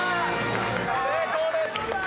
成功です。